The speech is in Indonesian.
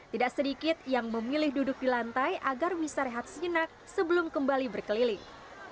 tidak sedikit yang memilih duduk di lantai agar bisa rehat sejenak sebelum kembali berkeliling